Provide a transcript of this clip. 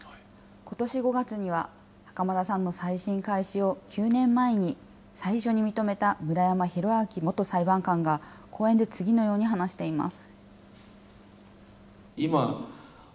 ことし５月には袴田さんの再審開始を９年前に最初に認めた村山浩昭元裁判官が、講演で次のように話しています。